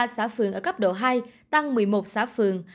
năm mươi ba xã phường ở cấp độ hai tăng một mươi một xã phường